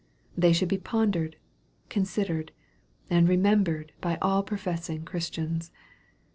They should be pondered, con sidered, and remembered by all professing Christians.